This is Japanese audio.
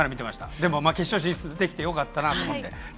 でも決勝進出できてよかったと思います。